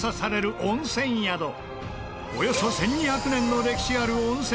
およそ１２００年の歴史ある温泉